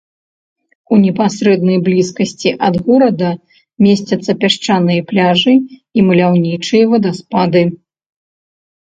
У непасрэднай блізкасці ад горада месцяцца пясчаныя пляжы і маляўнічыя вадаспады.